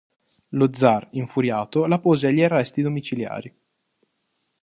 Lo zar infuriato la pose agli arresti domiciliari.